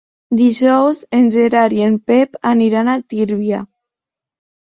Dijous en Gerard i en Pep aniran a Tírvia.